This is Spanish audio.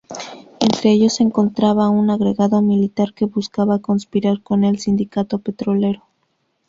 Entre ellos, se encontraba un agregado militar que buscaba conspirar con el sindicato petrolero.